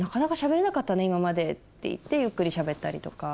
「今まで」って言ってゆっくりしゃべったりとか。